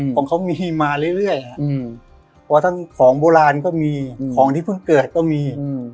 ของเขามีมาเรื่อยเพราะทั้งของโบราณก็มีของที่เพิ่งเกิดก็มี